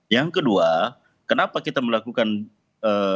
yang kedua kenapa kita melakukan dalam petitum ini